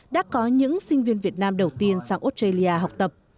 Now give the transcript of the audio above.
đã có những sinh viên việt nam đầu tiên sang australia học tập